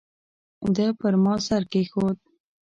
ده پر ما سر کېښود.